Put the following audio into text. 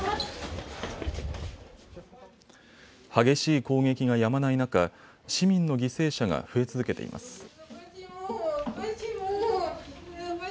激しい攻撃がやまない中、市民の犠牲者が増え続けています。